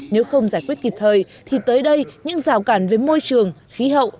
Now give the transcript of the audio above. nếu không giải quyết kịp thời thì tới đây những rào cản về môi trường khí hậu